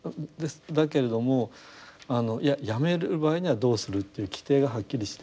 だけれどもやめる場合にはどうするという規定がはっきりしていると。